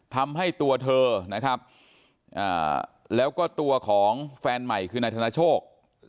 ทำให้ตัวเธอนะครับแล้วก็ตัวของแฟนใหม่คือนายธนโชค